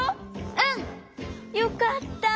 うん！よかった！